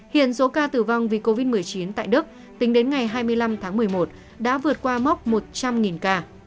hiện số ca tử vong vì covid một mươi chín tại đức tính đến ngày hai mươi năm tháng một mươi một đã vượt qua mốc một trăm linh ca